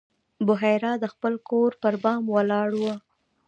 بحیرا د خپل کور پر بام ولاړ و.